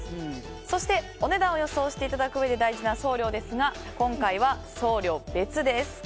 そして、お値段を予想していただくうえで大事な送料ですが、今回は送料別です。